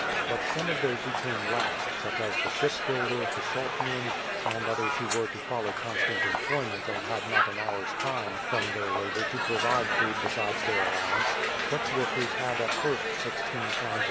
But some of those who came last, such as the ship builder, the salt men, and others who were to follow constant employment and had not an hour's time from their labour to provide food besides their allow ance, — such workers had at first 16 lbs.